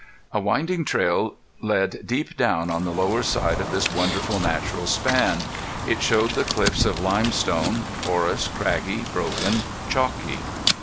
A winding trail led deep down on the lower side of this wonderful natural span. It showed the cliffs of limestone, porous, craggy, broken, chalky.